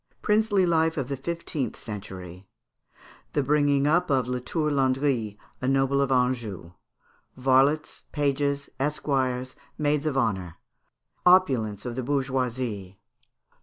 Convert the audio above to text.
Princely Life of the Fifteenth Century. The bringing up of Latour Landry, a Noble of Anjou. Varlets, Pages, Esquires, Maids of Honour. Opulence of the Bourgeoisie.